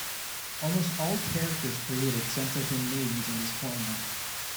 Almost all characters created since have been made using this format.